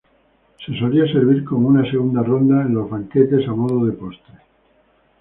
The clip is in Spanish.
Se solía servir como una segunda ronda en los banquetes a modo de postre.